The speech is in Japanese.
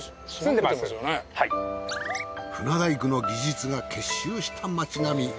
船大工の技術が結集した町並。